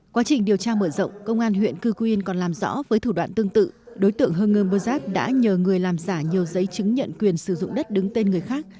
quá trình điều tra mở rộng công an huyện cư cù yên còn làm rõ với thủ đoạn tương tự đối tượng hờ ngơm bờ đắp đã nhờ người làm giả nhiều giấy chứng nhận quyền sử dụng đất đứng tên người khác